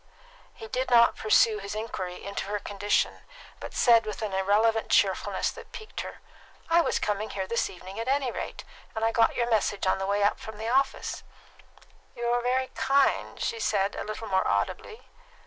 He did not pursue his inquiry into her condition, but said, with an irrelevant cheerfulness that piqued her, "I was coming here this evening at any rate, and I got your message on the way up from my office." "You are very kind," she said, a little more audibly.